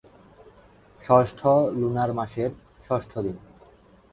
ষষ্ঠ লুনার মাসের ষষ্ঠ দিন।